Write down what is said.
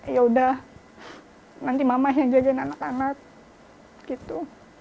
ya udah nanti mama yang jajan anak anak gitu